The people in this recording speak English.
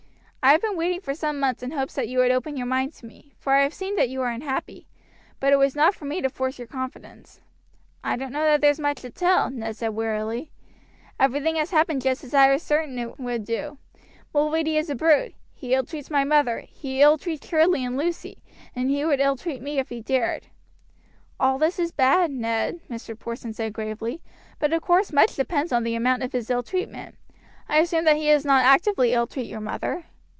"I have been waiting for some months in hopes that you would open your mind to me, for I have seen that you were unhappy; but it was not for me to force your confidence." "I don't know that there's much to tell," Ned said wearily. "Everything has happened just as it was certain it would do. Mulready is a brute; he ill treats my mother, he ill treats Charlie and Lucy, and he would ill treat me if he dared." "All this is bad, Ned," Mr. Porson said gravely; "but of course much depends upon the amount of his ill treatment. I assume that he does not actively ill treat your mother."